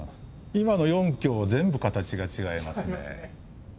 今の４橋は全部形が違いますね。